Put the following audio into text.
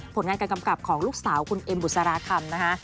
ผลงานการกำกับของลูกสาวคุณเอ็มบุษราคำนะคะ